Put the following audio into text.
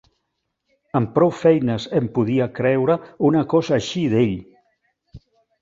Amb prou feines em podia creure una cosa així d'ell.